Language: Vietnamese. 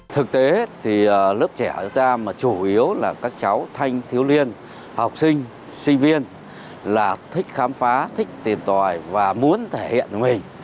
thực tế thì lớp trẻ chúng ta mà chủ yếu là các cháu thanh thiếu liên học sinh sinh viên là thích khám phá thích tìm tòi và muốn thể hiện mình